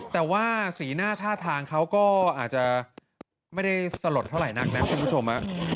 แต่ว่าสีหน้าท่าทางเขาก็อาจจะไม่ได้สลดเท่าไหร่นักนะคุณผู้ชม